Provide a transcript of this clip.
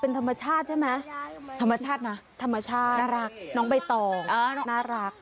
เป็นธรรมชาติใช่ไหมธรรมชาตินะธรรมชาติน่ารักน้องใบตองน่ารัก